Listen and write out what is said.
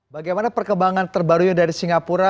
bagaimana perkembangan terbarunya dari singapura